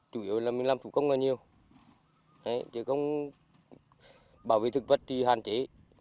chủ yếu là mình làm phục công là nhiều chỉ không bảo vệ thực vật thì hạn chế